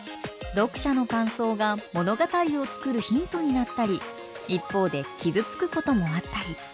読者の感想が物語を作るヒントになったり一方で傷つくこともあったり。